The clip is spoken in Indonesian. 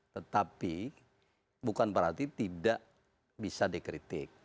tetapi bukan berarti tidak bisa dikritik